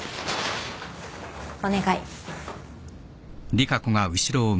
お願い。